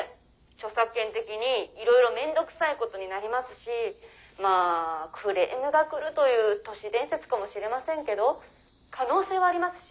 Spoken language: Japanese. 著作権的にいろいろ面倒くさい事になりますしまあクレームが来るという都市伝説かもしれませんけど可能性はありますし